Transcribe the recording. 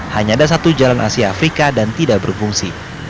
hanya ada satu jalan asia afrika dan tidak berfungsi